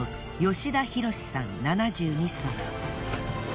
吉田博さん７２歳。